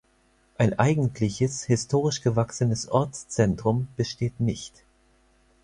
Ein eigentliches, historisch gewachsenes Ortszentrum besteht nicht.